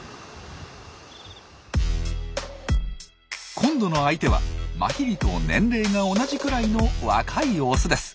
今度の相手はマヒリと年齢が同じくらいの若いオスです。